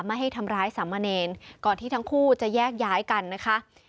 ไม่ให้ทำร้ายสามเณรก่อนที่ทั้งคู่จะแยกย้ายกันนะคะ